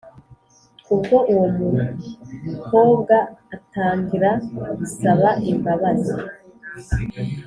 ubwo uwo mkobw atangra gsaba imbabazi